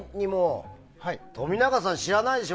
冨永さん、知らないでしょ